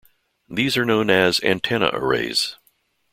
These are known as "antenna arrays".